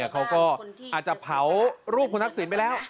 เขาก็อาจจะเผารูปคุณทักษิณไปแล้ว